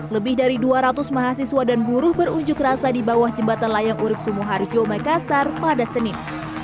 lebih dari dua ratus mahasiswa dan buruh berunjuk rasa di bawah jembatan layang urib sumoharjo makassar pada senin